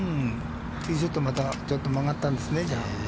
ティーショット、またちょっと曲がったんですね、じゃあ。